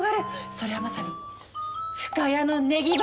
それはまさに深谷のネギ畑。